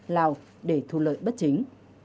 lào để thu lợi bất chính